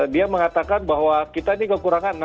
dia mengatakan bahwa kita ini kekurangan